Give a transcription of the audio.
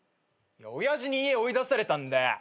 親父に家追い出されたんだよ。